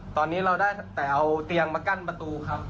ตอนนี้เราได้แต่เอาเตียงมากั้นประตูครับ